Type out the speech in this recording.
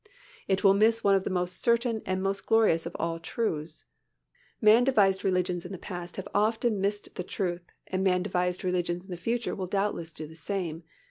It will miss one of the most certain and most glorious of all truths. Man devised religions in the past have often missed the truth and man devised religions in the future will doubtless do the same.